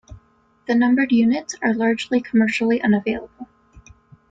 The numbered units are largely commercially unavailable.